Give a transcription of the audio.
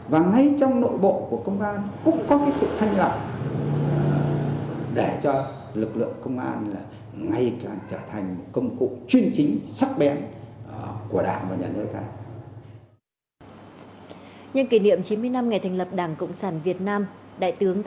và ngay trong nội bộ của công an cũng có sự thanh lặng để cho lực lượng công an ngay trở thành công cụ chuyên trình